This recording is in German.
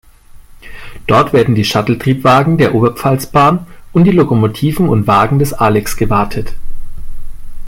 Dort werden die Shuttle-Triebwagen der Oberpfalzbahn und die Lokomotiven und Wagen des Alex gewartet.